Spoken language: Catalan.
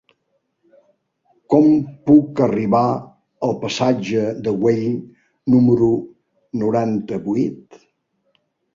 Com puc arribar al passatge de Güell número noranta-vuit?